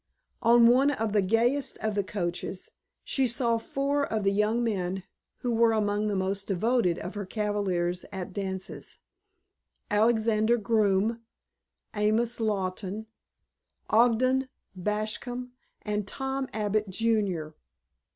On one of the gayest of the coaches she saw four of the young men who were among the most devoted of her cavaliers at dances: Alexander Groome, Amos Lawton, Ogden Bascom, and "Tom" Abbott, Jr.